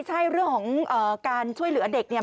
ใช่เรื่องของการช่วยเหลือเด็กเนี่ย